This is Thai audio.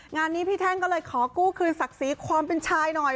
งานนี้พี่แท่งก็เลยขอกู้คืนศักดิ์ศรีความเป็นชายหน่อย